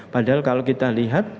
padahal kalau kita lihat